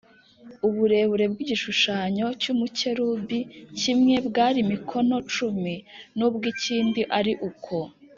Uburebure bw’igishushanyo cy’umukerubi kimwe bwari mikono cumi, n’ubw’ikindi ari uko